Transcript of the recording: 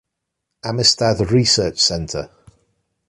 Amistad Research Center.